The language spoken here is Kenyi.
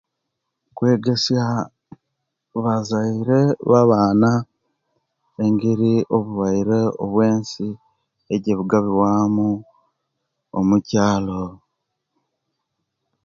Kwegesy bazaire babana engeri obulwaire obwensi ejebugabiwamu omukyalo